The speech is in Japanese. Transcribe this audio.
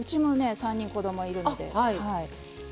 ３人子供いるので。